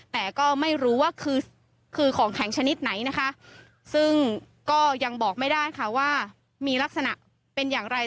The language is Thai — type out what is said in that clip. แต่ก็ไม่รู้ว่าคือคือของแข็งชนิดไหนนะคะซึ่งก็ยังบอกไม่ได้ค่ะว่ามีลักษณะเป็นอย่างไร